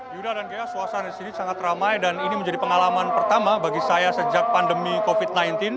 yuda dan gaya suasana di sini sangat ramai dan ini menjadi pengalaman pertama bagi saya sejak pandemi covid sembilan belas